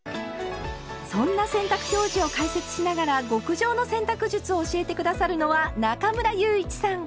そんな洗濯表示を解説しながら極上の洗濯術を教えて下さるのは中村祐一さん。